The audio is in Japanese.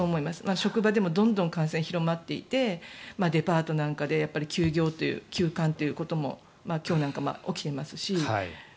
職場でもどんどん感染が広まっていてデパートなんかで休業、休館ということも今日なんかも起きていますし。